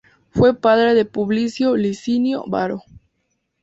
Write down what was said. Fue padre de Publio Licinio Varo.